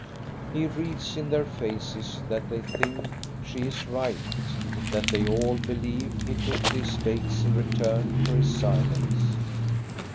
He reads in their faces that they think CHRISTMAS DAY 55 she is right, that they all believe he took the estates in return for his silence.